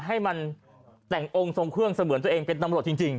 ให้มันแต่งองค์ทรงเครื่องเสมือนตัวเองเป็นตำรวจจริง